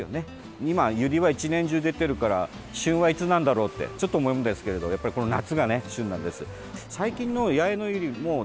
今、ユリは１年中出ているから旬はいつなんだろうって思うんですけど、夏が旬なんです。